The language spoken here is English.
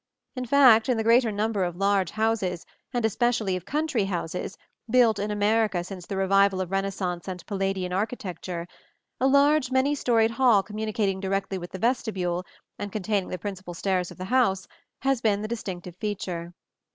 In fact, in the greater number of large houses, and especially of country houses, built in America since the revival of Renaissance and Palladian architecture, a large many storied hall communicating directly with the vestibule, and containing the principal stairs of the house, has been the distinctive feature.